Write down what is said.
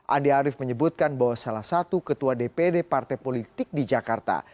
andi arief menyebutkan bahwa salah satu ketua dpd partai politik di jakarta